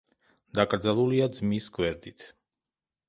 დაკრძალულია ძმის გვერდით.